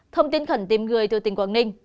thông tin khẩn tìm người từ tỉnh quảng ninh